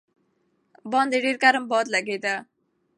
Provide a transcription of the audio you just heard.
باندې ډېر ګرم باد لګېده.